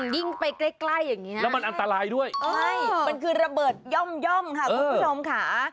ยิ่งไปใกล้อย่างนี้นะแล้วมันอันตรายด้วยใช่มันคือระเบิดย่อมค่ะคุณผู้ชมค่ะ